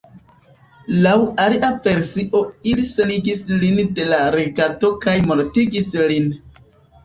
Laŭ alia versio ili senigis lin de la regado kaj mortigis lin.